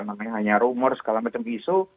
namanya hanya rumor segala macam isu